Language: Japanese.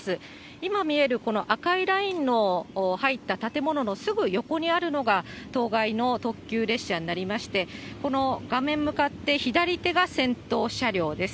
今見える、この赤いラインの入った建物のすぐ横にあるのが、当該の特急列車になりまして、この画面向かって左手が先頭車両です。